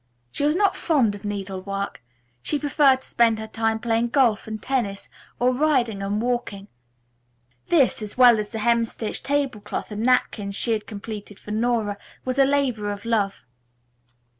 She was not fond of needlework. She preferred to spend her spare time playing golf and tennis, or riding and walking. This, as well as the hemstitched table cloth and napkins she had completed for Nora, was a labor of love.